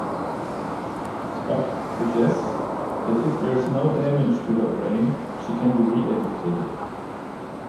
Spock suggests that if there's no damage to her brain, she can be re-educated.